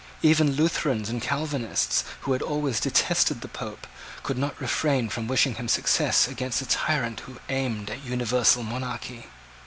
Even Lutherans and Calvinists, who had always detested the Pope, could not refrain from wishing him success against a tyrant who aimed at universal monarchy.